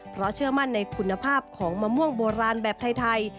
เพราะเชื่อมั่นในคุณภาพของมะม่วงโบราณแบบไทย